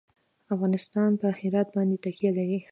افغانستان په هرات باندې تکیه لري.